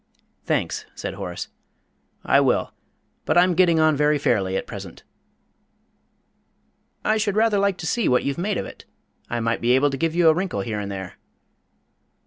"Thanks," said Horace, "I will. But I'm getting on very fairly at present." "I should rather like to see what you've made of it. I might be able to give you a wrinkle here and there."